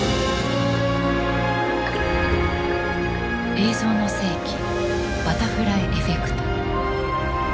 「映像の世紀バタフライエフェクト」。